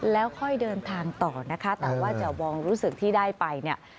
แล้วค่อยเดินทางต่อนะคะแต่ว่าจะมองรู้สึกที่ได้ไปเนี่ย